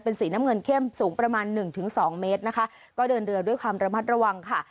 เป็นสีน้ำเงินเข้มสูงประมาณ๑๒เมตรนะคะก็เดินเรือด้วยความระมัดระวังค่ะ